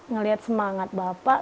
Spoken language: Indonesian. ngelihat semangat bapak